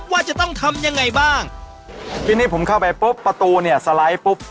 ว่าจะต้องทำยังไงบ้างทีนี้ผมเข้าไปปุ๊บประตูเนี่ยสไลด์ปุ๊บ